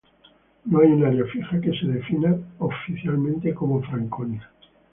No hay un área fija que se defina oficialmente como Franconia.